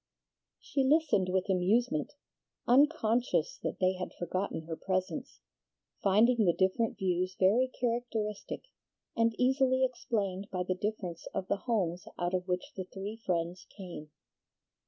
She listened with amusement, unconscious that they had forgotten her presence, finding the different views very characteristic, and easily explained by the difference of the homes out of which the three friends came.